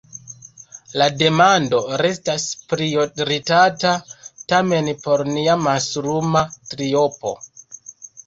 La demando restas prioritata, tamen, por nia mastruma triopo.